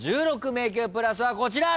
１６迷宮プラスはこちら！